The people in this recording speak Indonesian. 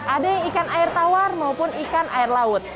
ada yang ikan air tawar maupun ikan air laut